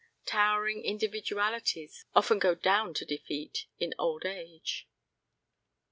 Towering individualities often go down to defeat in old age.